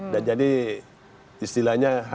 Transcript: dan jadi istilahnya hanya tiga yang tahu